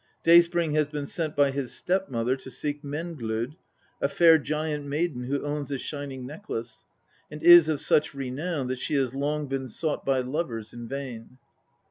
Day spring has been sent by his step mother to seek Menglod, a fair giant maiden who owns a shining necklace, and is of such renown that she has long been sought by lovers in vain.